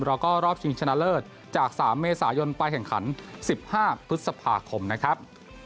แล้วก็รอบชิงชนะเลิศจาก๓เมษายนไปแข่งขัน๑๕พฤษภาคมนะครับ